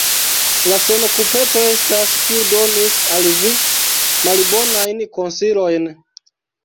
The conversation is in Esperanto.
La senokupeco estas, kiu donis al vi malbonajn konsilojn.